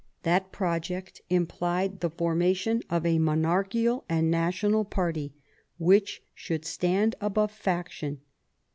That project implied the formation of a monarchical and national party which should stand above faction.